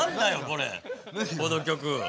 この曲。